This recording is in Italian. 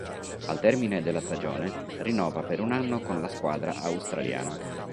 Al termine della stagione rinnova per un anno con la squadra australiana.